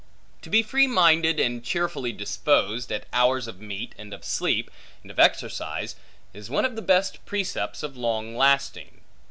To be free minded and cheerfully disposed, at hours of meat, and of sleep, and of exercise, is one of the best precepts of long lasting.